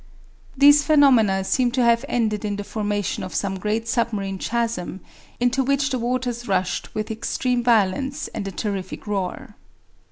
These phenomena seem to have ended in the formation of some great submarine chasm, into which the waters rushed with extreme violence and a terrific roar.